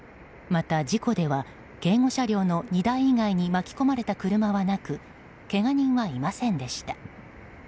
また、事故では警護車両の２台以外に巻き込まれた車はなくけが人はいませんでした。